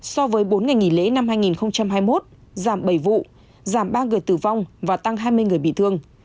so với bốn ngày nghỉ lễ năm hai nghìn hai mươi một giảm bảy vụ giảm ba người tử vong và tăng hai mươi người bị thương